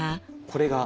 これが。